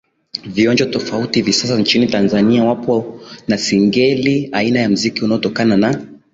vionjo tofauti hivi sasa nchini Tanzania wapo na singeli aina ya muziki unatokana na